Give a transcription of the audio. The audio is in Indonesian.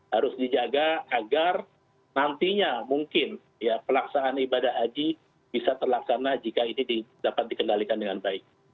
harus dijaga agar nantinya mungkin pelaksanaan ibadah haji bisa terlaksana jika ini dapat dikendalikan dengan baik